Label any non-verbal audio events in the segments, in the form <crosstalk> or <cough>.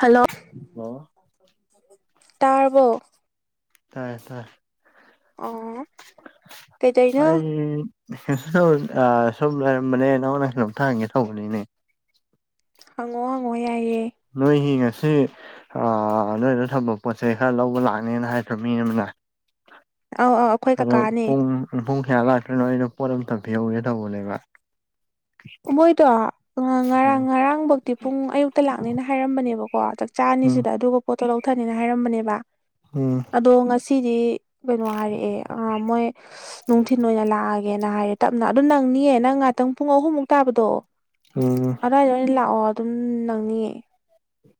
Hello hello ꯇꯥꯔꯕꯣ ꯇꯥꯏꯌꯦ ꯇꯥꯏ ꯑꯣ ꯀꯩꯗꯩꯅꯣ ꯑꯩ ꯁꯣꯝ ꯂꯩꯔꯝꯕꯅꯦ ꯅꯪꯣꯟ ꯅꯁꯨꯂꯣꯝꯇ ꯍꯪꯒꯦ ꯇꯧꯕꯅꯤꯅꯦ ꯍꯪꯉꯣ ꯍꯪꯉꯣ ꯌꯥꯏꯌꯦꯦ ꯅꯣꯏ ꯍꯉꯁꯤ ꯅꯣꯏꯗ ꯊꯝꯕ ꯄꯣꯠ ꯆꯩꯩ ꯈꯔ ꯂꯧꯕ ꯂꯥꯛꯅꯦꯅ ꯍꯥꯏꯕ꯭ꯔ ꯃꯤꯅ ꯑꯃꯅ ꯑ ꯑ ꯑꯗꯣ ꯄꯨꯡ ꯄꯨꯡ ꯀꯌꯥ ꯂꯥꯛꯇ꯭ꯔꯤꯅꯣ ꯑꯩꯅꯣ ꯄꯣꯠ ꯑꯝꯇ ꯄꯤꯍꯧꯒꯦ ꯇꯧꯕꯅꯦꯕ ꯃꯣꯏꯗꯣ ꯉꯔꯥꯡ ꯎꯝ ꯉꯔꯥꯡꯐꯧꯗꯤꯤ ꯄꯨꯡ ꯑꯌꯨꯛꯇ ꯂꯥꯛꯅꯦꯅ ꯍꯥꯏꯔꯝꯕꯅꯦꯕꯀꯣ ꯎꯝ ꯆꯥꯅꯤꯁꯤꯗ ꯑꯗꯨꯒ ꯄꯣꯠꯇꯣ ꯂꯧꯊꯅꯤꯅ ꯍꯥꯏꯔꯝꯕꯅꯦꯕ ꯎꯝ ꯑꯗꯣ ꯉꯁꯤꯗꯤ ꯀꯩꯅꯣ ꯍꯥꯏꯔꯛꯑꯦ ꯑ ꯃꯣꯏ ꯅꯨꯡꯊꯤꯤꯟ ꯑꯣꯏꯅ ꯂꯥꯛꯑꯒꯦꯅ ꯍꯥꯏꯔ ꯇꯞꯅ ꯑꯗꯨ ꯅꯪꯅꯤꯌꯦ ꯅꯪ ꯉꯍꯥꯛꯇꯪ ꯄꯨꯡ ꯑꯍꯨꯝꯃꯨꯛ ꯇꯥꯕꯗꯣ ꯑ ꯑꯗꯨꯗꯥꯏꯗ ꯑꯣꯏꯅ ꯂꯥꯛꯑꯣ ꯑꯗꯨꯝ ꯅꯪꯅꯤꯡꯌꯦ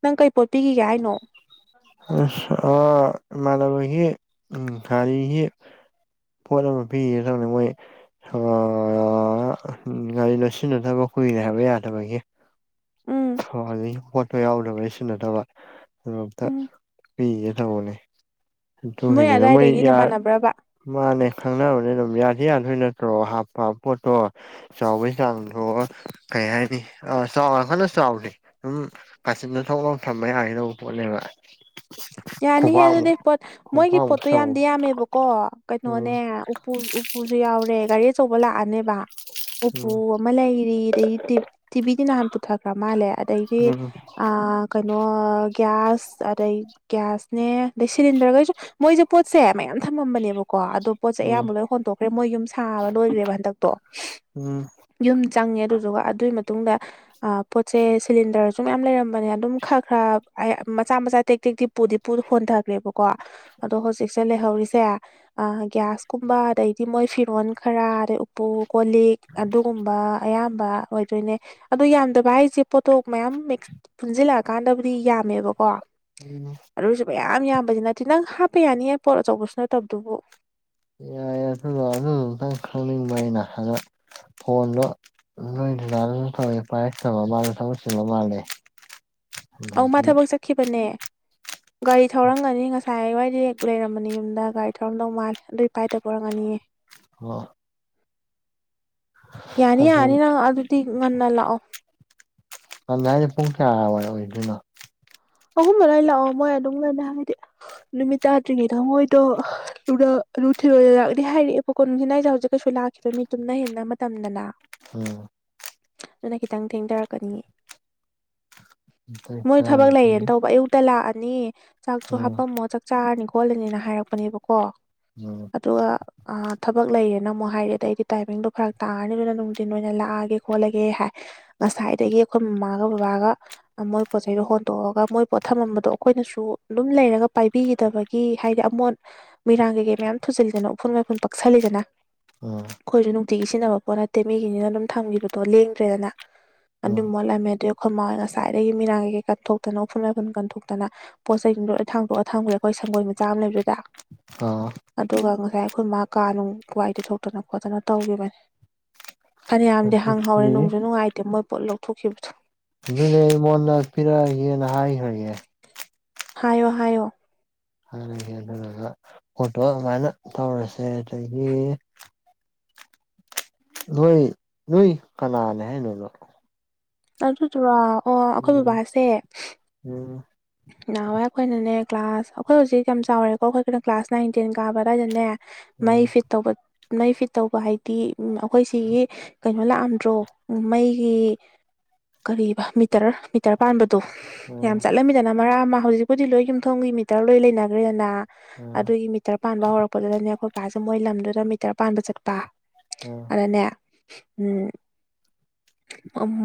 ꯅꯪ ꯀꯩ ꯄꯣꯠ ꯄꯤꯈꯤꯒꯦ ꯍꯥꯏꯅꯣ ꯑꯥꯟꯅꯕꯍꯤ ꯎꯝ ꯀꯔꯤ ꯍ ꯄꯣꯠ ꯑꯃ ꯄꯤꯌꯦ ꯁꯝꯅ ꯃꯣꯏ ꯉꯒꯥꯔꯤ ꯅꯣꯠꯁꯤꯟꯅꯗꯕ ꯀꯨꯏꯔꯦ ꯍꯥꯏꯕ ꯌꯥꯗꯕꯒꯤ ꯎꯝ ꯈꯣꯠꯄ ꯌꯥꯎꯅꯕ ꯂꯩ ꯁꯤꯟꯅꯗꯕ ꯑꯗꯨ ꯑꯝꯇ ꯎꯝ ꯄꯤꯒꯦ ꯅꯣꯏ ꯇꯃꯣꯅꯦꯒꯤꯅꯤꯅ ꯃꯣꯏ ꯑꯗꯨꯋꯥꯏꯗꯒꯤ ꯅꯃꯥꯟꯅꯕ꯭ꯔꯕ ꯃꯥꯅꯦ ꯈꯪꯅꯕꯅꯦ ꯑꯗꯨꯝ ꯌꯥꯗꯤ ꯌꯥꯗꯣꯏ ꯅꯠꯇ꯭ꯔꯣ ꯍꯥꯞꯄ ꯄꯣꯠꯇꯣ ꯆꯥꯎꯕꯒꯤ ꯆꯥꯡꯗꯣ ꯀꯩ ꯍꯥꯏꯅꯤ ꯑ ꯌꯥꯝ ꯀꯟꯅꯥ ꯆꯥꯎꯕ ꯆꯥꯎꯗꯦ ꯑꯗꯨꯝ ꯀꯥꯆꯤꯟꯗ ꯊꯧꯅꯥ ꯊꯝꯕ ꯌꯥꯒꯗꯧꯕ ꯄꯣꯠꯅꯦꯕ ꯌꯥꯅꯤꯍꯦ ꯈꯨꯕꯥꯛꯃꯨꯛ ꯑꯗꯨꯗꯤ ꯄꯣꯠ ꯃꯣꯏꯒꯤ ꯈꯨꯕꯥꯛꯃꯨꯛ ꯄꯣꯠꯇꯣ ꯆꯥꯎꯕ ꯌꯥꯝꯗꯤ ꯌꯥꯝꯃꯦꯕꯀꯣ ꯎꯝ ꯀꯩꯅꯣꯅꯦ ꯎꯄꯨ ꯎꯁꯨ ꯌꯥꯎꯔꯦ ꯒꯥꯔꯤ ꯑꯆꯧꯕ ꯂꯥꯛꯑꯅꯦꯕ ꯎꯝ ꯎꯄꯨ ꯑꯃ ꯂꯩꯔꯤ ꯑꯗꯩꯗꯤ ꯇꯤꯕꯤꯗꯤ ꯅꯍꯥꯟ ꯄꯨꯊꯈ꯭ꯔ ꯃꯥꯜꯂꯦ ꯑꯗꯩꯗꯤ ꯑ ꯀꯩꯅꯣ ꯒ꯭ꯌꯥꯁ ꯑꯗꯩ ꯒ꯭ꯌꯥꯁꯅꯦ ꯑꯗꯩ ꯁꯤꯂꯤꯟꯗꯔꯈꯩꯁꯨ ꯃꯣꯏꯁꯨꯦ ꯄꯣꯠꯁꯦ ꯃꯌꯥꯝ ꯊꯝꯃꯝꯕꯅꯦꯕꯀꯣ ꯑꯗꯣ ꯄꯣꯠꯁꯦ ꯎꯝ ꯎꯝ ꯑꯌꯥꯝꯕ ꯂꯣꯏ ꯍꯣꯟꯇꯣꯛꯈ꯭ꯔꯦ ꯃꯣꯏ ꯌꯨꯝ ꯁꯥꯕ ꯂꯣꯏꯈ꯭ꯔꯦꯕ ꯍꯟꯗꯛꯇꯣ ꯎꯝ ꯌꯨꯝ ꯆꯪꯉꯦ ꯑꯗꯨꯗꯨꯒ ꯑꯗꯨꯒꯤ ꯃꯇꯨꯡꯗ ꯄꯣꯠꯁꯦ ꯁꯤꯂꯤꯟꯗꯔꯁꯨ ꯃꯌꯥꯝ ꯂꯩꯔꯝꯕꯅꯦ ꯑꯗꯨꯝ ꯈꯔ ꯈꯔ ꯃꯆꯥ ꯃꯆꯥ ꯇꯦꯛ ꯇꯦꯛꯇꯤ ꯄꯨꯗꯤ ꯄꯨ ꯍꯣꯟꯊꯈ꯭ꯔꯦꯕꯀꯣ ꯑꯗꯣ ꯍꯧꯖꯤꯛꯁꯦ ꯂꯩꯍꯧꯔꯤꯁꯦ ꯒ꯭ꯌꯥꯁꯀꯨꯝꯕ ꯑꯗꯩꯗꯤ ꯃꯣꯏ ꯐꯤꯔꯣꯟꯜ ꯈꯔ ꯑꯗꯩ ꯎꯄꯨ ꯀꯣ ꯂꯤꯛ ꯑꯗꯨꯒꯨꯝꯕ ꯑꯌꯥꯝꯕ ꯑꯣꯏꯗꯣꯏꯅꯦ ꯑꯗꯣ ꯌꯥꯝꯗꯕ ꯍꯥꯏꯁꯦ ꯄꯣꯠꯇꯣꯛ ꯃꯌꯥꯝ ꯃꯤꯛꯁ ꯄꯨꯟꯁꯤꯜꯂꯛꯑꯀꯥꯟꯗꯕꯨꯗꯤ ꯌꯥꯝꯃꯦꯕꯀꯣ ꯎꯝ ꯑꯨꯁꯨ ꯃꯌꯥꯝ ꯌꯥꯝꯕꯁꯤ ꯅꯠꯇꯦ ꯅꯪ ꯍꯥꯞꯄ ꯌꯥꯅꯤꯌꯦ ꯄꯣꯠ ꯑꯆꯧꯕꯁꯨ ꯅꯠꯇꯕꯗꯨꯕꯨ ꯌꯥꯏ ꯑꯗꯨꯗ ꯑꯗꯨ ꯑꯨꯛꯇꯪ ꯈꯪꯅꯤꯡꯕ ꯑꯩꯅ ꯑꯗ ꯐꯣꯟꯗꯣ ꯅꯣꯏ <unintelligible> ꯃꯗꯣ ꯊꯕꯛ ꯆꯤꯟꯕꯥ ꯃꯥꯜꯂꯦ ꯑꯧ ꯃꯥ ꯑꯗꯒꯤ ꯊꯕꯛ ꯆꯠꯈꯤꯕꯅꯦ ꯒꯥꯔꯤ ꯊꯧꯔꯝꯒꯅꯤ ꯉꯁꯥꯏꯋꯥꯏꯗꯤ ꯂꯩꯔꯝꯕꯅꯤ ꯌꯨꯝꯗ ꯒꯥꯔꯤ ꯊꯧꯔꯝꯗꯧ ꯃꯥꯜꯂꯦ ꯑꯗꯨꯒꯤ ꯄꯥꯏꯗꯕ ꯑꯣꯏꯔꯝꯒꯅꯤꯌꯦ <unintelligible> ꯌꯥꯅꯤ ꯑꯗꯨ ꯌꯥꯅꯤ ꯅꯪ ꯑꯗꯨꯗꯤ ꯉꯟꯅ ꯂꯥꯛꯑꯣ <unintelligible> ꯄꯨꯡ ꯀꯌꯋꯥꯏ ꯑꯣꯏꯗꯣꯏꯅꯣ ꯑꯍꯨꯝ ꯑꯗꯥꯏ ꯂꯥꯛꯑꯣ ꯃꯣꯏ ꯑꯗꯨꯝꯉꯥꯏꯅ ꯍꯥꯏꯕꯗꯤ ꯅꯨꯃꯤꯠ ꯇꯥꯗ꯭ꯔꯤꯉꯩꯗ ꯃꯣꯏꯗꯣ ꯅꯨꯡꯊꯤꯜ ꯂꯥꯛꯀꯅꯤ ꯍꯥꯏꯔꯛꯑꯦꯕꯣꯀꯣ ꯅꯨꯡꯊꯤꯜ ꯍꯥꯢꯁꯦ ꯍꯧꯖꯤꯛ ꯀꯩꯁꯨ ꯂꯥꯛꯈꯤꯕ ꯃꯤ ꯇꯨꯝꯅ ꯍꯤꯞꯅ ꯃꯇꯝꯅꯤꯗꯅ ꯎꯝ ꯑꯗꯨꯅ ꯈꯤꯇꯪ ꯊꯦꯡꯊꯔꯛꯀꯅꯤꯌꯦ ꯃꯣꯏ ꯊꯕꯛ ꯑꯗꯨꯗꯤ ꯂꯩꯌꯦꯅ ꯇꯧꯕ ꯑꯌꯨꯛꯇ ꯂꯥꯛꯑꯅꯤ ꯆꯥꯛꯁꯨ ꯍꯥꯄꯝꯃꯣ ꯆꯥꯛ ꯆꯥꯔꯅꯤ ꯈꯣꯠꯂꯅꯤꯅ ꯍꯥꯏꯔꯛꯄꯅꯦꯕꯀꯣ ꯎꯝ ꯑꯗꯨꯒ ꯊꯕꯛ ꯂꯩꯔꯦꯅ ꯑꯃꯨꯛ ꯍꯥꯏꯔꯛꯦ ꯑꯗ ꯑꯩꯗꯤ ꯇꯥꯏꯃꯤꯡꯗꯣ ꯐꯔꯛ ꯇꯥꯔꯅꯤ ꯑꯗꯨꯅ ꯅꯨꯡꯊꯤꯟ ꯑꯣꯏꯅ ꯂꯥꯛꯑꯒꯦ ꯈꯣꯠꯂꯒꯦ ꯍꯥꯏ ꯉꯁꯥꯏꯗꯒꯤ ꯑꯩꯈꯣꯏ ꯃꯃꯥꯒ ꯕꯕꯥꯒ ꯃꯣꯏ ꯄꯣꯠꯆꯩꯗꯨ ꯍꯣꯟꯇꯣꯛꯑꯒ ꯃꯣꯏ ꯄꯣꯠ ꯊꯝꯃꯝꯕꯗꯣ ꯑꯩꯈꯣꯏꯅꯁꯨ ꯑꯗꯨꯝ ꯂꯩꯔꯒ ꯄꯥꯏꯕꯤꯈꯤꯗꯕꯒꯤ ꯍꯥꯏꯗꯤ ꯑꯃꯣꯠ ꯃꯤꯔꯥꯡ ꯀꯩꯀꯩ ꯃꯌꯥꯝ ꯊꯨꯖꯤꯜꯂꯤꯗꯅ ꯎꯐꯨꯟ ꯋꯥꯏꯐꯨꯟ ꯄꯛꯁꯜꯂꯤꯗꯅ ꯎꯝ ꯑꯩꯈꯣꯏꯁꯨ ꯅꯨꯡꯇꯤꯒꯤ ꯁꯤꯖꯤꯟꯅꯕ ꯄꯣꯠ ꯅꯠꯇꯦ ꯃꯤꯒꯤꯅꯤꯅ ꯑꯗꯨꯝ ꯊꯝꯈꯤꯕꯗꯣ ꯂꯦꯡꯗ꯭ꯔꯦꯗꯅ ꯑꯗꯨꯝ ꯃꯣꯠꯂꯝꯃꯦ ꯑꯗꯨ ꯑꯩꯈꯣꯏ ꯃꯥꯥꯍꯣꯌ ꯉꯁꯥꯏꯗꯒꯤ ꯃꯤꯔꯥꯡ ꯀꯩ ꯀꯩ ꯀꯠꯊꯣꯛꯇꯅꯣ ꯎꯐꯨꯟ ꯋꯥꯏꯐꯨꯟ ꯀꯟꯊꯣꯛꯇꯅ ꯄꯣꯠ ꯆꯩꯁꯤꯡꯗꯣ ꯂꯣꯏ ꯊꯥꯡꯗꯣꯛꯑ ꯊꯝꯈ꯭ꯔꯦꯗꯅ ꯑꯩꯈꯣꯏ ꯁꯪꯒꯣꯏ ꯃꯆꯥ ꯑꯃ ꯂꯩꯕꯗꯨꯗꯥ ꯑꯣ ꯑꯗꯨꯒ ꯉꯁꯥꯏ ꯑꯩꯈꯣꯏ ꯃꯥ ꯀꯥ ꯅꯨꯡ ꯋꯥꯏ ꯇꯩꯊꯣꯛꯇꯅ ꯈꯣꯠꯇꯅ ꯇꯧꯈꯤꯕꯅꯤ ꯐꯅꯌꯥꯝꯗꯤ ꯍꯥꯡꯍꯥꯎꯔꯦ ꯅꯨꯡꯁꯨ ꯅꯨꯡꯉꯥꯏꯇꯦ ꯃꯣꯏ ꯄꯣꯠ ꯂꯧꯊꯣꯛꯈꯤꯕꯗꯣ ꯑꯗꯨꯗꯤ ꯑꯩꯉꯣꯟꯗ ꯄꯤꯔꯛꯑꯒꯦꯅ ꯍꯥꯏꯈ꯭ꯔꯒꯦ ꯍꯥꯏꯌꯣ ꯍꯥꯏꯌꯣ ꯄꯣꯠꯇꯣ ꯑꯗꯨꯃꯥꯏꯅ ꯇꯧꯔꯁꯦ ꯑꯗꯒꯤ ꯅꯣꯏ ꯅꯣꯏ ꯀꯅꯥꯅꯦ ꯍꯥꯏꯅꯣ ꯑꯗꯣ ꯑꯗꯨꯗꯨꯔꯣ ꯑꯣ ꯑꯩꯈꯣꯏ ꯕꯕꯥꯁꯦ ꯎꯝ ꯅꯍꯥꯟꯋꯥꯏ ꯑꯩꯈꯣꯏꯅꯅꯦ ꯀ꯭ꯂꯥꯁ ꯑꯩꯈꯣꯏ ꯍꯧꯖꯤꯛ ꯌꯥꯝ ꯆꯥꯎꯔꯦꯀꯣ ꯑꯩꯈꯣꯏ ꯈꯨꯅ ꯀ꯭ꯂꯥꯁ ꯅꯥꯏꯟ ꯇꯦꯟ ꯀꯥꯕ ꯑꯗꯨꯋꯥꯏꯗꯅꯦ ꯃꯩ ꯐꯤꯠ ꯇꯧꯕ ꯃꯩ ꯐꯤꯠ ꯇꯧꯕ ꯍꯥꯏꯗꯤ ꯑꯩꯈꯣꯏ ꯁꯤꯒꯤ ꯀꯩꯅꯣ ꯂꯥꯛꯑꯝꯗ꯭ꯔꯣ ꯃꯩꯒꯤ ꯀꯔꯤꯕ ꯃꯤꯇꯔ ꯃꯤꯇꯔ ꯄꯥꯟꯕꯗꯣ ꯌꯥꯝ ꯆꯠꯂꯝꯃꯤ ꯅꯥ ꯃꯔꯥ ꯑꯃ ꯍꯧꯖꯤꯛꯄꯨꯗꯤ ꯂꯣꯏ ꯌꯨꯝꯊꯣꯡꯒꯤ ꯃꯤꯇꯔ ꯂꯣꯏ ꯂꯩꯅꯈ꯭ꯔꯦꯗꯅ ꯑꯗꯨꯒꯤ ꯃꯤꯇꯔ ꯄꯥꯟꯕ ꯍꯧꯔꯛꯄꯗꯨꯗꯅꯦ ꯑꯩꯈꯣꯏ ꯕꯥꯁꯦ ꯃꯣꯏ ꯂꯝꯗꯨꯗ ꯃꯤꯇꯔ ꯄꯥꯟꯕ ꯆꯠꯄ ꯑꯣ ꯑꯅꯦ ꯎꯝ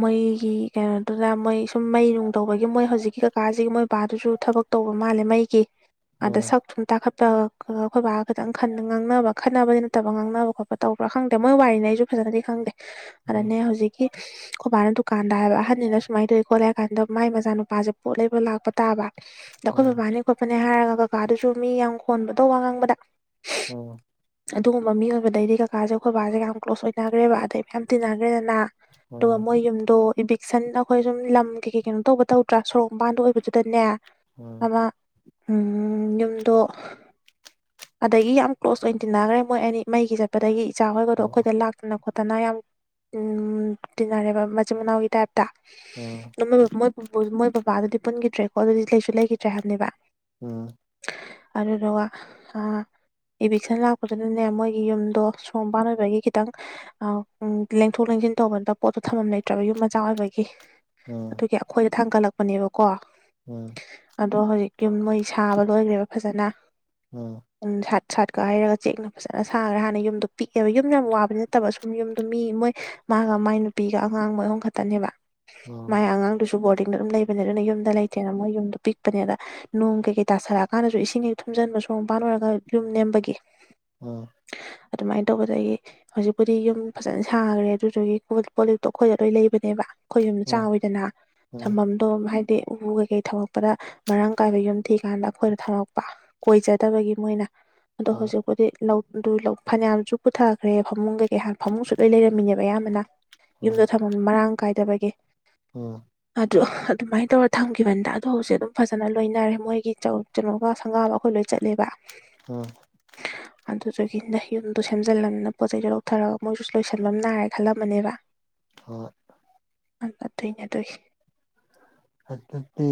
ꯃꯣꯏꯒꯤ ꯀꯩꯅꯣꯗꯨꯗ ꯃꯣꯏ ꯁꯨꯝ ꯃꯩ ꯅꯨꯡ ꯇꯧꯕꯒꯤ ꯃꯣꯏ ꯍꯧꯖꯤꯛꯀꯤ ꯀꯀꯥꯁꯤꯒꯤ ꯃꯣꯏ ꯕꯥꯗꯨꯁꯨ ꯊꯕꯛ ꯇꯧꯕ ꯃꯥꯜꯂꯦ ꯃꯩꯒꯤ ꯑꯗ ꯁꯛ ꯁꯨꯝ ꯇꯥꯈꯠꯄ ꯑꯩꯈꯣꯏ ꯕꯥ ꯈꯤꯇꯪ ꯉꯥꯡꯅꯕ ꯈꯠꯅꯕꯗꯤ ꯅꯠꯇꯕ ꯉꯥꯡꯅꯕ ꯈꯣꯠꯄ ꯇꯧꯕ꯭ꯔꯥ ꯈꯪꯗꯦ ꯃꯣꯏ ꯋꯥꯔꯤꯅꯦ ꯑꯩꯁꯨ ꯐꯖꯅꯗꯤ ꯈꯪꯗꯦ ꯑꯗꯅꯦ ꯍꯧꯖꯤꯛ ꯈꯨꯣꯏꯕꯥꯅ ꯗꯨꯀꯥꯟꯗ ꯍꯥꯏꯕ ꯑꯍꯟꯅꯤꯅ ꯁꯨꯃꯥꯏ ꯇꯧꯋꯤ ꯈꯣꯠꯂꯦ ꯍꯥꯏꯀꯟꯗ ꯃꯆꯥ ꯅꯨꯄꯥꯁꯦ ꯄꯣꯠ ꯂꯩꯕ ꯂꯥꯛꯄ ꯇꯥꯕ ꯑꯗ ꯑꯩꯈꯣꯏ ꯕꯕꯥꯅꯤ ꯈꯣꯠꯄꯅꯦ ꯍꯥꯏꯔꯒ ꯀꯀꯥꯗꯨꯁꯨ ꯃꯤ ꯌꯥꯝ ꯈꯣꯟꯕꯗꯣ ꯋꯥ ꯉꯥꯡꯕꯗ ꯎꯝ ꯑꯗꯨꯒꯨꯝꯕ ꯃꯤ ꯑꯣꯏꯕꯗꯩꯗꯤ ꯀꯀꯥꯁꯦ ꯑꯩꯈꯣꯏꯕꯥꯁꯦ ꯌꯥꯝ ꯀ꯭ꯂꯣꯁ ꯑꯣꯏꯅꯈ꯭ꯔꯦꯕ ꯑꯗꯩ ꯌꯥꯝꯌꯥꯝ ꯇꯤꯟꯅꯈ꯭ꯔꯦꯗꯅ ꯑꯗꯨꯒ ꯃꯣꯏ ꯌꯨꯝꯗꯣ ꯏꯕꯤꯛꯁꯟ ꯑꯩꯈꯣꯏ ꯁꯨꯝ ꯂꯝꯒꯤ ꯀꯩ ꯀꯩꯅꯣ ꯇꯧꯕ ꯇꯧꯗ꯭ꯔꯥ ꯁꯣꯔꯣꯛ ꯃꯕꯥꯗ ꯑꯣꯏꯕꯗꯨꯗꯅꯦ ꯑꯣ ꯑ ꯎꯝ ꯌꯨꯝꯗꯣ ꯑꯗꯒꯤ ꯌꯥꯝ ꯀ꯭ꯂꯣꯁ ꯑꯣꯏꯅ ꯇꯤꯟꯅꯈ꯭ꯔꯦ ꯃꯣꯏ ꯑꯅꯤ ꯃꯩꯒꯤ ꯆꯠꯄꯗꯒꯤ ꯏꯆꯥ ꯍꯣꯏꯒꯗꯣ ꯑꯩꯈꯣꯏꯗ ꯂꯥꯛ ꯈꯠꯇꯅ ꯈꯣꯠꯇꯅ ꯌꯥꯝ ꯇꯤꯟꯅꯔꯦꯕ ꯃꯆꯤꯟ ꯃꯅꯥꯎꯒꯤ ꯇꯥꯏꯞꯇ ꯑꯣ ꯣꯏꯣꯏ ꯃꯣꯏ ꯕꯕꯥꯗꯨꯗꯤ ꯄꯨꯟꯈꯤꯗ꯭ꯔꯦꯀꯣ ꯑꯗꯨꯗꯤ ꯂꯩꯁꯨ ꯂꯩꯈꯤꯗ꯭ꯔꯦ ꯍꯥꯏꯕꯅꯦꯕ ꯎꯝ ꯑꯗꯨ ꯑ ꯏꯚꯛꯁꯟ ꯂꯥꯛꯄꯗꯨꯅꯅꯦ ꯃꯣꯏꯒꯤ ꯌꯨꯝꯗꯣ ꯁꯣꯝꯄꯥꯟ ꯑꯣꯏꯕꯒꯤ ꯈꯤꯇꯪ ꯎ ꯂꯦꯡꯊꯣꯛ ꯂꯦꯡꯁꯤꯟ ꯇꯧꯕꯗ ꯄꯣꯠꯇꯣ ꯊꯝꯐꯝ ꯂꯩꯇ꯭ꯔꯕ ꯌꯨꯝ ꯃꯆꯥ ꯑꯣꯏꯕꯒꯤ ꯑꯗꯨꯒꯤ ꯑꯩꯈꯣꯏꯗ ꯊꯥꯡꯒꯠꯂꯛꯄꯅꯦꯕꯀꯣ ꯎꯝ ꯑꯗꯣ ꯍꯧꯖꯤꯛ ꯌꯨꯝ ꯃꯣꯏ ꯁꯥꯕ ꯂꯣꯏꯈ꯭ꯔꯦꯕ ꯐꯖꯅ ꯑꯣ ꯎ ꯁꯥꯠ ꯁꯥꯠꯀ ꯍꯥꯏꯔꯒ ꯆꯦꯡꯅ ꯐꯖꯅ ꯁꯥꯈ꯭ꯔꯦ ꯍꯥꯟꯅ ꯌꯨꯝꯗꯣ ꯄꯤꯛꯑꯦꯕꯨꯝ ꯌꯥꯝ ꯋꯥꯕꯅꯤ ꯐꯠꯇꯕ ꯁꯨꯝ ꯌꯨꯝꯗ ꯃꯤ ꯃꯣꯏ ꯃꯥꯒ ꯃꯥꯏ ꯅꯨꯄꯤꯒ ꯑꯉꯥꯡ ꯃꯣꯏ ꯑꯍꯨꯝ ꯈꯛꯇꯅꯦꯕ ꯃꯥꯏ ꯑꯉꯥꯡꯗꯨꯁꯨ ꯕꯣꯔꯗꯤꯡꯗ ꯑꯗꯨꯝ ꯂꯩꯕꯅꯦ ꯑꯗꯨꯅ ꯌꯨꯝꯗ ꯂꯩꯇꯦꯅ ꯃꯣꯏ ꯌꯨꯝꯗꯣ ꯄꯤꯛꯄꯅꯦꯗ ꯅꯣꯡ ꯀꯩ ꯀꯩ ꯇꯥꯁꯜꯂꯛꯑ ꯀꯥꯟꯗꯁꯨ ꯏꯁꯤꯡꯁꯤ ꯊꯨꯝꯖꯤꯟꯕ ꯁꯣꯡ ꯃꯄꯥꯟ ꯑꯣꯏꯔꯒ ꯌꯨꯝ ꯅꯦꯝꯕꯒꯤ ꯎꯝ ꯑꯗꯨꯃꯥꯏꯅ ꯇꯧꯕꯗꯒꯤ ꯍꯧꯖꯤꯛꯄꯨꯗꯤ ꯌꯨꯝ ꯐꯖꯅ ꯁꯥꯈ꯭ꯔꯦ ꯑꯗꯨꯗꯨꯒꯤ ꯄꯣꯂꯤꯞꯇꯣ ꯑꯩꯈꯣꯏꯗ ꯂꯣꯏ ꯂꯩꯕꯅꯦꯕ ꯑꯩꯈꯣꯏ ꯌꯨꯝ ꯆꯥꯎꯋꯤꯗꯅ ꯊꯐꯝꯗꯣ ꯍꯥꯏꯗꯤ ꯎ ꯀꯩꯀꯩ ꯊꯧꯔꯛꯄꯗ ꯃꯔꯥꯡ ꯀꯥꯏꯕ ꯌꯨꯝ ꯊꯤꯀꯥꯟꯗ ꯑꯩꯈꯣꯏꯅ ꯊꯝꯃꯛꯄ ꯀꯣꯏꯖꯗꯕꯒꯤ ꯃꯣꯏꯅ ꯑꯗꯣ ꯍꯧꯖꯤꯛ ꯍꯧꯗꯤ ꯑꯗꯨ ꯐꯅꯌꯥꯝꯁꯨ ꯄꯨꯊꯈ꯭ꯔꯦ ꯐꯃꯨꯡꯗꯒꯤ ꯍꯥꯟꯅ ꯐꯃꯨꯡꯁꯨ ꯂꯣꯏ ꯂꯩꯔꯝꯃꯤꯅꯦꯕ ꯑꯌꯥꯝꯕꯅ ꯌꯨꯝꯗ ꯊꯝꯐꯝ ꯃꯔꯥꯡ ꯀꯥꯏꯗꯕꯒꯤ ꯎꯝ ꯑꯗꯣ ꯑꯗꯨꯃꯥꯏꯅ ꯇꯧꯔꯒ ꯊꯝꯈꯤꯕꯅꯤꯗ ꯑꯗꯨ ꯍꯧꯖꯤꯜ ꯑꯗꯨꯝ ꯐꯖꯅ ꯂꯣꯏꯅꯔꯦ ꯃꯣꯏꯒꯤ ꯀꯩꯅꯣꯒ ꯁꯪꯒꯥꯕ ꯑꯩꯈꯣꯏ ꯂꯣꯏ ꯆꯠꯂꯦꯕ ꯑꯣꯝ ꯑꯗꯨꯗꯨꯗꯒꯤ ꯅ ꯌꯨꯝꯗꯣ ꯁꯦꯝꯖꯤꯜꯂꯝꯅꯤꯅ ꯄꯣꯠ ꯆꯩꯩꯗꯣ ꯂꯧꯊꯔꯒ ꯃꯣꯏꯁꯨ ꯂꯣꯏꯁꯟꯂꯝ ꯅꯥꯔꯦ ꯈꯜꯂꯝꯃꯅꯦꯕ ꯍꯣ ꯑ ꯊꯩꯅ ꯑꯗꯨ ꯑꯗꯨ ꯑꯗꯨꯗꯤ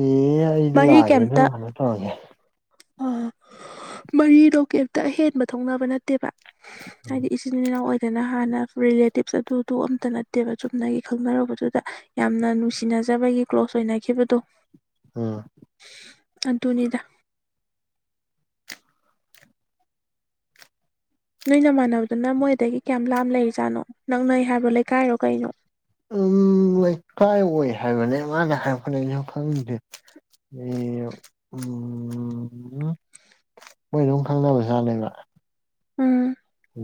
ꯑꯩꯗꯣ ꯂꯥꯛꯑꯒꯦ ꯑꯗꯨ ꯀꯩꯅꯣ ꯇꯧꯔꯒꯦ ꯑ ꯃꯔꯤꯗꯣ ꯀꯩꯝꯇ ꯑꯍꯦꯟꯕ ꯊꯣꯛꯅꯕ ꯅꯠꯇꯦꯕ ꯍꯥꯏꯗꯤ ꯁꯤꯅ ꯑꯣꯏꯗꯅ ꯍꯥꯟꯅ ꯔꯤꯂꯦꯇꯤꯞꯁ ꯑꯗꯨꯗꯨ ꯑꯝꯇ ꯅꯠꯇꯦꯕ ꯆꯨꯝꯅꯒꯤ ꯈꯪꯅꯔꯨꯕꯗꯨꯗ ꯌꯥꯝꯅ ꯅꯨꯡꯁꯤꯅꯖꯕꯒꯤ ꯀ꯭ꯂꯣꯁ ꯑꯣꯏꯅꯈꯤꯕꯗꯣ ꯑꯥ ꯑꯗꯨꯅꯤꯗ ꯅꯣꯏ ꯅ ꯃꯥꯟꯅꯕꯗꯨꯅ ꯃꯣꯏꯗꯒꯤ ꯀꯌꯥꯝ ꯂꯥꯞ ꯂꯩꯔꯤꯖꯥꯠꯅꯣ ꯅꯪꯅꯩ ꯍꯥꯏꯕꯣ ꯂꯩꯀꯥꯏꯔꯣ ꯀꯩꯅꯣ ꯎꯝ ꯂꯩꯀꯥꯏ ꯑꯣꯏ ꯍꯥꯏꯕꯅꯦ ꯃꯥꯅ ꯍꯥꯏꯔꯛꯅ ꯈꯪꯁꯦ ꯑꯦ ꯎꯝ ꯃꯣꯏ ꯑꯗꯨꯝ ꯈꯪꯗꯅꯕꯖꯥꯠꯅꯦꯕ ꯎꯝ ꯍꯦ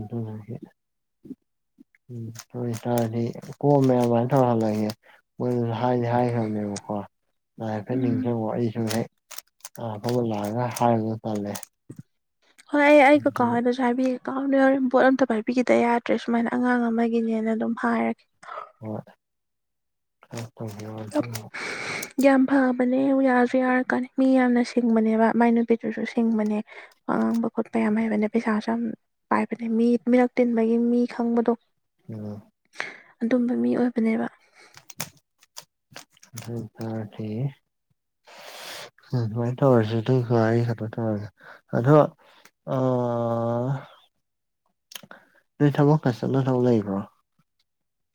ꯎꯝ ꯍꯇꯥꯔꯗꯤ ꯀꯣꯝꯃꯦꯌꯥꯝꯃꯅ ꯊꯧꯍꯜꯂꯒꯦ ꯍꯥꯏꯗꯤ ꯍꯥꯏꯈ꯭ꯔꯕꯅꯦꯕꯀꯣ ꯎꯝ ꯍꯥꯏꯐꯠꯅꯤꯡꯖꯕ ꯑꯩꯁꯨ ꯍꯦꯛ ꯑ ꯐꯕꯨ ꯂꯑꯒ ꯍꯥꯏꯕ ꯇꯂꯦ ꯍꯣꯏ ꯑꯩ ꯑꯩ ꯀꯀꯥ ꯍꯥꯏꯅ ꯀꯥꯎ ꯌꯥꯎ ꯄꯣꯠ ꯑꯝꯇ ꯄꯥꯏꯕꯤꯈꯤꯗ ꯌꯥꯗ꯭ꯔꯦ ꯁꯨꯃꯥꯏꯅ ꯑꯉꯥꯡ ꯑꯃꯒꯤꯅꯦꯅ ꯑꯗꯨꯝ ꯍꯥꯏꯔꯒꯦ ꯍꯣꯏ ꯇꯧ ꯑꯗꯨ ꯌꯥꯝ ꯐꯕꯅꯦ ꯌꯥꯁꯨ ꯌꯥꯔꯀꯥꯟꯗ ꯃꯤ ꯌꯥꯝꯅ ꯁꯤꯡꯕꯅꯦꯕ ꯃꯥꯏ ꯅꯨꯄꯤꯗꯨꯁꯨ ꯁꯤꯡꯕꯅꯦ ꯋꯥꯉꯥꯡꯕ ꯈꯣꯠꯄ ꯌꯥꯝ ꯍꯩꯕꯅꯤ ꯄꯩꯁꯥꯁꯨ ꯌꯥꯝ ꯄꯥꯏꯕꯅꯦ ꯃꯤ ꯃꯤꯔꯛ ꯇꯤꯟꯕꯒꯤ ꯃꯤ ꯈꯪꯕꯗꯣ ꯎꯝ ꯑꯗꯨꯝꯕ ꯃꯤ ꯑꯣꯏꯕꯅꯦꯕ ꯑ ꯇ ꯎ ꯁꯃꯥꯏꯅ ꯇꯧꯔꯁꯤ ꯍ ꯈ ꯇꯧꯔꯒ ꯑꯅ ꯑ ꯅꯣꯏ ꯊꯕꯛꯀ ꯆꯠꯂ ꯊꯕꯛ ꯂꯩꯕ꯭ꯔꯣ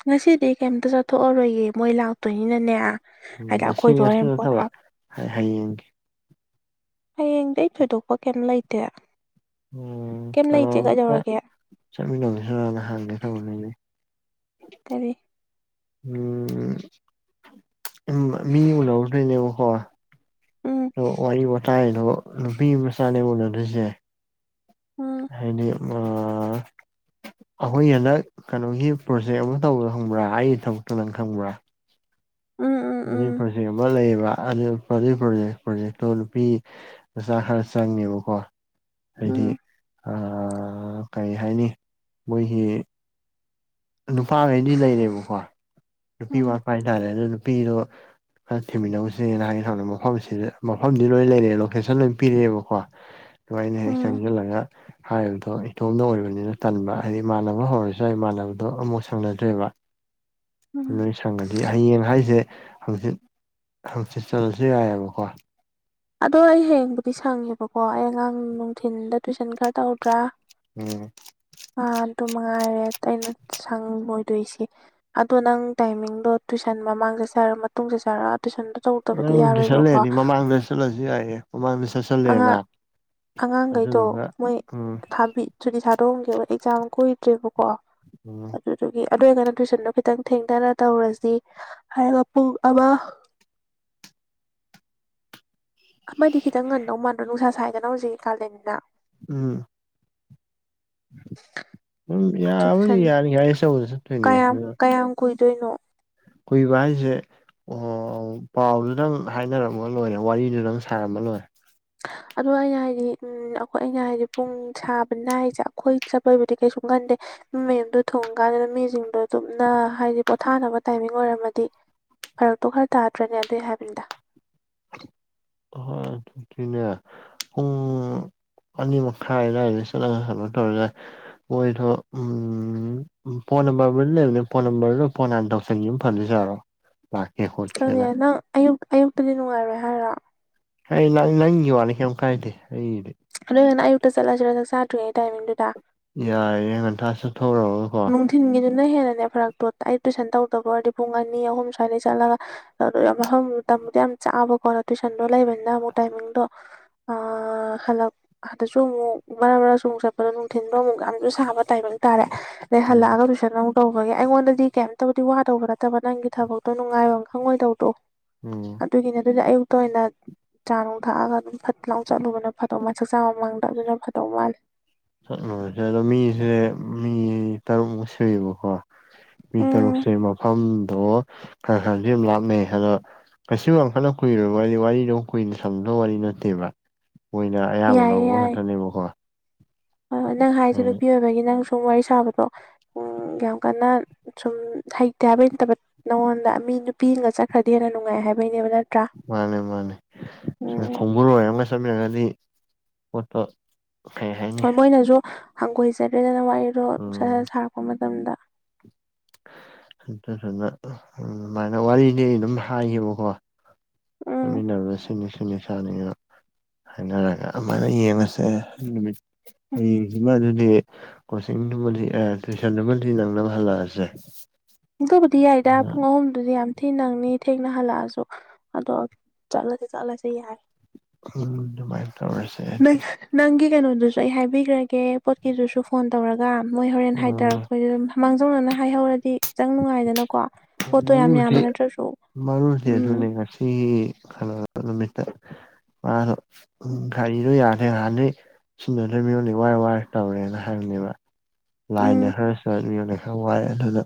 ꯉꯁꯤꯗꯤ ꯀꯩꯝꯇ ꯆꯠꯊꯣꯛꯑꯔꯣꯏꯒ ꯃꯣꯏ ꯂꯥꯛꯇꯣꯏꯅꯤꯅꯅꯦ ꯎꯝ ꯍꯥꯏꯗꯤ ꯉꯁꯤ ꯑꯩꯈꯣꯏꯗꯣ ꯉꯁꯤ ꯍꯣꯔꯦꯟ ꯄꯣꯠ ꯅꯠꯇꯕ ꯍꯥꯞ ꯍꯌꯦꯡꯒꯤ ꯍꯌꯦꯡꯗꯤ ꯑꯩ ꯊꯣꯏꯗꯣꯛꯄ ꯀꯩꯝ ꯂꯩꯇꯦ ꯀꯩꯝ ꯂꯩ ꯆꯦ ꯀꯠꯍꯧꯔꯒꯦ ꯆꯠꯃꯤꯟꯅꯅ ꯍꯥꯡꯒꯦ ꯊꯅꯦ ꯀꯔꯤ ꯎꯝ ꯃꯤ ꯎꯅꯔꯗ꯭ꯣꯏꯅꯦꯕꯀꯣ ꯎꯝ ꯑ ꯋꯥꯔꯤ ꯋꯥꯇꯥꯏꯗꯣ ꯅꯨꯄꯤ ꯃꯆꯥꯅꯦ ꯎꯅꯗꯣꯏꯁꯦ ꯎꯝ ꯍꯥꯏꯅꯤ ꯑ ꯑꯩꯈꯣꯏ ꯍꯟꯗꯛ ꯀꯩꯅꯣꯒꯤ ꯄ꯭ꯔꯣꯖꯦꯛ ꯑꯃ ꯇꯧꯕ ꯈꯪꯕ꯭ꯔꯥ ꯑꯩꯒꯤ ꯊꯕꯛꯇ ꯅꯪ ꯈꯪꯕ꯭ꯔꯥ ꯎꯝ ꯎꯝ ꯎꯝ ꯃꯅꯤꯄꯨꯔꯁꯤ ꯑꯃ ꯂꯩꯌꯦꯕ꯫ ꯑꯒꯤ ꯄ꯭ꯔꯣꯖꯦꯛ ꯄ꯭ꯔꯣꯖꯦꯛ ꯄ꯭ꯔꯣꯖꯦꯛꯇꯣ ꯅꯨꯄꯤ ꯃꯆꯥ ꯈꯔ ꯆꯪꯉꯦꯕꯀꯣ꯫ ꯍꯥꯏꯗꯤ ꯎꯝ ꯀꯔꯤ ꯍꯥꯏꯅꯤ ꯑꯥ ꯃꯣꯏꯒꯤ ꯅꯨꯄꯥꯈꯩꯗꯤ ꯂꯩꯔꯦꯕꯀꯣ ꯅꯨꯄꯤ ꯎꯝ ꯋꯥꯠꯄ ꯍꯥꯏꯇꯥꯔꯦ ꯑꯗꯨ ꯅꯨꯄꯤꯗꯣ ꯈꯔ ꯊꯤꯃꯤꯟꯅꯁꯤꯅꯦꯅ ꯍꯥꯏꯦ ꯁꯥꯟꯅ ꯃꯐꯝꯁꯤꯗ ꯃꯐꯝꯗꯤ ꯂꯣꯏꯅ ꯂꯩꯔꯦ ꯂꯣꯀꯦꯟꯣꯏ ꯄꯤꯔꯛꯑꯦꯕꯀꯣ ꯁꯃꯥꯏꯅ ꯍꯦꯛ ꯎꯝ ꯆꯪꯁꯤꯜꯂꯒ ꯍꯥꯏꯕꯗꯣ ꯑꯗꯣꯝꯅ ꯑꯣꯏꯕꯅꯤꯅ ꯇꯟꯕ ꯍꯥꯏꯗꯤ ꯏꯃꯥꯟꯅꯕ ꯍꯧꯔꯁꯨ ꯌꯥꯏ ꯏꯃꯥꯟꯅꯕꯗꯣ ꯑꯃꯨꯛ ꯁꯪꯅꯗ꯭ꯔꯦꯕ ꯎꯝ ꯂꯣꯏ ꯁꯪꯒꯅꯤ ꯍꯌꯦꯡ ꯍꯥꯏꯁꯦ ꯍꯧꯖꯤꯛ ꯍꯪꯆꯤꯠ ꯆꯠꯂꯁꯨ ꯌꯥꯏꯑꯕꯀꯣ꯫ ꯑꯗꯣ ꯑꯩ ꯍꯌꯦꯡꯕꯨꯗꯤ ꯁꯪꯉꯦꯕꯀꯣ ꯑꯩ ꯑꯉꯥꯡ ꯅꯨꯡꯊꯤꯟꯗ ꯇꯨꯏꯁꯟ ꯈꯔ ꯇꯧꯗ꯭ꯔꯥ꯫ ꯎꯝ꯫ ꯑꯥ ꯑꯗꯨ ꯃꯉꯥꯏꯔꯦ ꯑꯩꯅ ꯁꯪ ꯂꯣꯏꯗꯣꯏꯁꯤ꯫ ꯑꯗꯣ ꯅꯪ ꯇꯥꯏꯃꯤꯡꯗꯣ ꯇꯨꯏꯁꯟ ꯃꯃꯥꯡ ꯆꯠ ꯁꯦ ꯍꯥꯏꯔꯣ ꯃꯇꯨꯡ ꯆꯠꯁꯦ ꯍꯥꯏꯔꯣ꯫ ꯇꯁꯟꯗꯣ ꯇꯧꯗꯕꯗꯤ ꯅꯪ ꯇꯨꯏꯁꯟ ꯌꯥꯔꯣꯏꯕꯀꯣ꯫ ꯂꯩꯔꯗꯤ ꯃꯃꯥꯡꯗ ꯆꯠꯂꯁꯨ ꯌꯥꯏꯍꯦ ꯃꯃꯥꯡꯗ ꯆꯠ ꯁꯜꯂꯦꯅ ꯑꯉꯥꯡ ꯑꯉꯥꯡꯈꯩꯗꯣ ꯑꯗꯨꯗꯨꯒ ꯃꯣꯏ ꯎꯝ꯫ ꯊꯥꯕꯤ ꯁꯨꯇꯤ ꯊꯥꯗꯣꯛꯑꯝꯒꯦꯕ ꯑꯦꯛꯖꯥꯝ ꯀꯨꯏꯗ꯭ꯔꯦꯕꯀꯣ꯫ ꯎꯝ꯫ ꯑꯗꯨꯗꯨꯒꯤ ꯑꯗꯨ ꯑꯣꯏꯔꯒꯅ ꯇꯨꯏꯁꯟꯗꯣ ꯈꯤꯇꯪ ꯊꯦꯡꯊꯅ ꯇꯧꯔꯁꯤ ꯍꯥꯏꯔꯒ ꯄꯨꯡ ꯑꯃ꯫ ꯑꯃꯗꯤ ꯈꯤꯇꯪ ꯉꯟꯗꯧ ꯃꯥꯟꯗ꯭ꯔꯣ ꯅꯨꯡꯁꯥ ꯁꯥꯏꯗꯅ ꯍꯧꯖꯤꯛꯇꯤ ꯀꯥꯂꯦꯟꯅꯤꯅ ꯎꯝ꯫ ꯎꯝ ꯌꯥꯕꯨꯗꯤ ꯇꯨꯏꯁꯟ ꯌꯥꯅꯤ ꯒꯥꯔꯤ ꯑꯆꯧꯕꯗ ꯆꯠꯇꯣꯏꯅꯦ ꯀꯌꯥꯝ ꯑꯗꯨꯅ꯫ ꯀꯌꯥꯝ ꯀꯨꯏꯗꯣꯏꯅꯣ꯫ ꯀꯨꯏꯕ ꯍꯥꯏꯁꯦ ꯑꯣ ꯄꯥꯎꯗꯨꯗꯪ ꯍꯥꯏꯅꯔꯝꯃ ꯂꯣꯏꯔꯦ ꯋꯥꯔꯤꯗꯨꯗꯪ ꯁꯥꯔꯝꯃ ꯂꯣꯏꯔꯦ ꯑꯗꯣ ꯑꯩꯅ ꯍꯥꯏꯗꯤ ꯎꯝ ꯑꯩꯈꯣꯏ ꯑꯩꯅ ꯍꯥꯏꯗꯤ ꯄꯨꯡ ꯁꯥꯕꯅ ꯍꯥꯏꯁꯦ ꯑꯩꯈꯣꯏ ꯆꯠꯄꯕꯨꯗꯤ ꯀꯩꯁꯨ ꯈꯟꯗꯦ꯫ ꯃꯤ ꯃꯌꯨꯝꯗꯣ ꯊꯣꯡ ꯀꯥꯟꯗ ꯃꯤꯁꯤꯡꯗꯣ ꯑꯗꯨꯝꯅ ꯍꯥꯏꯗꯤ ꯄꯣꯊꯥꯅꯕ ꯇꯥꯏꯃꯤꯡ ꯑꯣꯏꯔꯝꯃꯗꯤ꯫ ꯐꯔꯛꯇꯣ ꯈꯔ ꯇꯥꯗ꯭ꯔꯅꯦ ꯑꯗꯨꯏ ꯍꯥꯏꯕꯅꯤꯗ꯫ ꯑꯥ ꯑꯗꯨꯗꯤꯅꯦ ꯄꯨꯡ꯫ ꯑꯅꯤ ꯃꯈꯥꯏ ꯑꯗꯨꯋꯥꯏꯗ ꯆꯠꯂꯒ <unintelligible> ꯇꯧꯔꯁꯨ ꯌꯥꯏ꯫ ꯍꯣꯏꯗꯣ ꯎꯝ ꯐꯣꯟ ꯅꯝꯕꯔꯕꯨ ꯂꯩꯕꯅꯦ ꯐꯣꯟ ꯅꯝꯕꯔꯗ ꯐꯣꯟ ꯍꯥꯟ ꯇꯧꯁꯟꯈꯤꯕꯅ ꯐꯗꯣꯏ ꯖꯥꯠꯂꯣ꯫ <inaudible> ꯈꯪꯗꯦ ꯅꯪ ꯑꯌꯨꯛ ꯑꯌꯨꯛꯇꯗꯤ ꯅꯨꯡꯉꯥꯏꯔꯣꯏ ꯍꯥꯏꯔꯣ꯫ ꯍꯩ ꯅꯪ ꯅꯪꯒꯤ ꯋꯥꯅꯤ ꯀꯩꯝ ꯀꯥꯏꯗꯦ ꯑꯩꯒꯤꯗꯤ ꯑꯗꯨ ꯑꯣꯏꯔꯒꯅ ꯑꯌꯨꯛꯇ ꯆꯠꯂꯁꯤꯔ ꯆꯥꯛ ꯆꯥꯗ꯭ꯔꯤꯉꯩ ꯇꯥꯏꯃꯤꯡꯗꯨꯗ꯫ ꯌꯥꯏꯌꯦ ꯉꯟꯇꯥ ꯆꯠꯊꯣꯛꯑꯨꯔꯣ ꯅꯨꯡꯊꯤꯟꯒꯤꯗꯨꯅ ꯍꯦꯟꯅꯅꯦ ꯐꯔꯛꯇꯣ ꯑꯩ ꯇꯨꯏꯁꯟ ꯇꯧꯗꯕ ꯑꯣꯏꯔꯗꯤ ꯄꯨꯡ ꯑꯅꯤ ꯑꯍꯨꯝ ꯁ꯭ꯋꯥꯏꯗꯒꯤ ꯆꯠꯂꯒ꯫ ꯑꯗꯨ ꯃꯐꯝ ꯃꯇꯝꯕꯨꯗꯤ ꯌꯥꯝ ꯆꯥꯕꯀꯣ ꯇꯨꯏꯁꯟꯗꯣ ꯂꯩꯕꯅꯤꯅ ꯑꯃꯨꯛ ꯇꯥꯏꯃꯤꯡꯗꯣ ꯑꯥ ꯍꯂꯛ ꯑꯥꯗꯁꯨ ꯑꯃꯨꯛ ꯃꯔꯛ ꯃꯔꯛꯁꯨ ꯑꯃꯨꯛ ꯆꯠꯄꯗꯣ ꯅꯨꯡꯊꯤꯟꯁꯨ ꯑꯃꯨꯛ ꯌꯥꯝꯁꯨ ꯁꯥꯕ ꯇꯥꯏꯃꯤꯡ ꯍꯥꯏ ꯇꯥꯔꯦ ꯎꯝ ꯂꯩꯍꯜꯂꯑꯥꯒ ꯗꯨꯁꯨ ꯀꯅꯣꯝ ꯇꯧꯕꯒꯤ ꯑꯩꯉꯣꯟꯗꯗꯤ ꯀꯩꯝꯇꯕꯨꯗꯤ ꯋꯥꯗꯧꯕ ꯅꯠꯇꯕ ꯅꯪꯒꯤ ꯊꯕꯛꯇꯣ ꯅꯨꯡꯉꯥꯏꯕꯝ ꯈꯪꯉꯣꯏꯗꯧꯗꯣ ꯎꯝ ꯑꯗꯨꯒꯤꯅꯤ ꯑꯗꯨꯅ ꯑꯌꯨꯛꯇ ꯑꯣꯏꯅ ꯆꯥ ꯅꯨꯡ ꯊꯛꯑꯒ ꯑꯗꯨꯝ ꯐꯠ ꯂꯥꯎ ꯆꯠꯂꯨꯕꯅ ꯐꯗꯧꯃꯥꯥꯟ ꯆꯥꯛ ꯆꯥ ꯃꯃꯥꯡꯗ ꯑꯗꯨꯅ ꯐꯗꯧ ꯃꯥꯜꯂꯦ ꯆꯠꯂꯨꯔꯁꯦ ꯑꯗꯣ ꯃꯤꯁꯦ ꯃꯤ ꯇꯔꯨꯛꯃꯨꯛ ꯁꯨꯏꯌꯦꯕꯀꯣ ꯃꯤ ꯎꯝ ꯇꯔꯨꯛꯁꯦ ꯃꯐꯝꯗꯣ ꯈꯔ ꯈꯔꯗꯤꯗꯨꯝ ꯂꯥꯞꯅꯩ ꯑꯗꯣ ꯀꯩꯁꯨ ꯌꯥꯝꯈꯜꯅ ꯀꯨꯏꯔꯣꯏꯕ ꯍꯥꯏꯗꯤ ꯋꯥꯔꯤꯗꯣ ꯀꯨꯏꯅ ꯁꯝꯅꯗꯕ ꯋꯥꯔꯤ ꯅꯠꯇꯦꯕ ꯑꯣꯏꯅ ꯑꯌꯥꯕ ꯂꯧꯕ ꯉꯥꯛꯇꯅꯦꯕꯀꯣ ꯍꯣꯏ ꯍꯣꯏ ꯅꯪ ꯍꯥꯏꯁꯦ ꯅꯨꯄꯤ ꯑꯣꯏꯕꯒꯤ ꯅꯪ ꯁꯨꯝ ꯋꯥꯔꯤ ꯁꯥꯕꯗꯣ ꯎꯝ ꯌꯥꯝ ꯀꯟꯅ ꯁꯨꯝ ꯍꯩꯇꯦ ꯍꯥꯏꯕꯩ ꯅꯠꯇꯕ ꯅꯉꯣꯟꯗ ꯃꯤ ꯅꯨꯄꯤ ꯑꯝꯒ ꯆꯠꯈ꯭ꯔꯗꯤ ꯍꯦꯟꯅ ꯅꯨꯡꯉꯥꯏ ꯍꯥꯏꯕꯩꯅꯦꯕ ꯅꯠꯇ꯭ꯔꯥ ꯃꯥꯅꯦ ꯃꯥꯅꯦ ꯎꯝ ꯈꯣꯡꯕꯨꯂꯣꯏ ꯑꯃꯒ ꯆꯠꯃꯤꯟꯅꯒꯗꯤ ꯄꯣꯠꯇꯣ ꯀꯩ ꯍꯥꯏꯅꯤ ꯍꯣꯏ ꯃꯣꯏꯅꯁꯨ ꯍꯪꯒꯣꯏꯆꯗꯔꯦꯅ ꯋꯥꯔꯤꯗꯣ ꯎꯝ ꯁꯥꯔꯛꯄ ꯃꯇꯝꯗ ꯑꯗꯨꯗꯨꯅꯥ ꯑꯗꯨꯃꯥꯏꯅ ꯋꯥꯔꯤꯗꯤ ꯑꯩ ꯑꯗꯨꯝ ꯍꯥꯏꯌꯦꯕꯀꯣ ꯎꯝ ꯆꯠꯃꯤꯟꯅꯕ ꯁꯤꯅꯤ ꯁꯤꯅꯤ ꯁꯥꯅꯤꯅꯥ ꯍꯥꯏꯅꯔꯒ ꯑꯃꯥꯏꯅ ꯌꯦꯡꯉꯁꯦ ꯅꯨꯃꯤꯠ ꯍꯌꯦꯡꯁꯤꯃ ꯑꯗꯨꯗꯤ ꯀꯣꯆꯤꯡꯗꯨꯃꯗꯤ ꯑꯥ ꯇ꯭ꯋꯏꯁꯟꯗꯨ ꯃꯗꯤ ꯅꯪꯅꯕ ꯍꯜꯂꯛ ꯑꯁꯦ ꯑꯗꯨꯕꯨꯗꯤ ꯌꯥꯏꯗ ꯄꯨꯡ ꯑꯍꯨꯝꯗꯨꯗꯤ ꯌꯥꯝ ꯊꯤ ꯅꯪꯅꯤ ꯊꯦꯡꯅ ꯍꯜꯂꯛꯑꯁꯨ ꯑꯗꯣ ꯆꯠꯂꯁꯨ ꯆꯠꯂꯁꯤ ꯌꯥꯏ ꯎꯝ ꯑꯗꯨꯃꯥꯏꯟ ꯇꯧꯔꯁꯦ ꯅꯪ ꯑꯗꯨꯗꯤ ꯅꯪꯒꯤ ꯀꯩꯅꯣꯗꯨꯁꯨ ꯑꯩ ꯍꯥꯏꯕꯤꯈ꯭ꯔꯒꯦ ꯄꯣꯠꯀꯤꯗꯨꯁꯨ ꯐꯣꯟ ꯇꯧꯔꯒ ꯃꯣꯏ ꯍꯣꯔꯦꯟ ꯑꯣ ꯍꯥꯏꯘꯔꯛꯄꯩꯗꯗꯨꯝ ꯃꯥꯡꯖꯧꯅꯅꯥ ꯍꯥꯏꯍꯧꯔꯗꯤ ꯈꯤꯇꯪꯅꯨꯡꯉꯥꯏꯗꯅꯥꯀꯣ ꯃꯔꯨꯗꯤ ꯃꯔꯨꯗꯤ ꯑꯗꯨꯅꯦ ꯎꯝ ꯉꯁꯤꯒꯤ ꯅꯨꯃꯤꯠꯇ ꯃꯥꯅ ꯎꯝ ꯒꯥꯔꯤꯗꯣ ꯌꯥꯗ꯭ꯔꯦ ꯅꯍꯥꯟꯗꯩ ꯁꯤꯟꯅꯗ ꯃꯤꯉꯣꯟꯗꯩ ꯋꯥꯔ ꯋꯥꯔ ꯇꯧꯔꯦꯅ ꯍꯥꯏꯕꯅꯦꯕ ꯎꯝ ꯂꯥꯏꯟꯗ ꯈꯔ ꯆꯠ ꯃꯤꯑꯣꯟꯗ ꯈꯔ ꯋꯥꯏ ꯑꯗꯨꯅ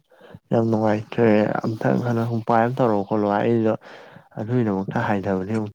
ꯌꯥꯝ ꯅꯨꯡꯉꯥꯏ ꯍꯦ ꯑꯝꯇꯪ ꯍꯟꯗ ꯎꯄꯥꯏ ꯑꯃ ꯇꯧꯔꯛꯑꯣ ꯈꯣꯠꯂꯣ ꯑꯩꯗꯣ ꯑꯗꯨꯒꯤꯗꯃꯛꯇ ꯍꯥꯏꯊꯕꯗꯤ ꯑꯃꯨꯛ